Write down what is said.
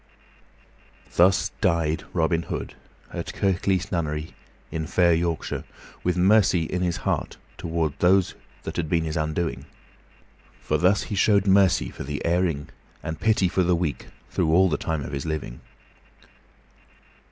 Thus died Robin Hood, at Kirklees Nunnery, in fair Yorkshire, with mercy in his heart toward those that had been his undoing; for thus he showed mercy for the erring and pity for the weak through all the time of his living.